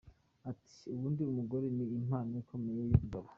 Ati, Ubundi umugore ni impano ikomeye yumugabo.